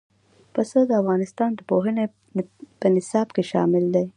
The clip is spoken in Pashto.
پسه د افغانستان د پوهنې په نصاب کې شامل دی.